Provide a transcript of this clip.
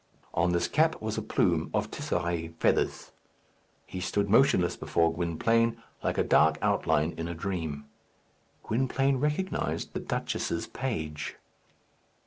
On this cap was a plume of tisserin feathers. He stood motionless before Gwynplaine, like a dark outline in a dream. Gwynplaine recognized the duchess's page.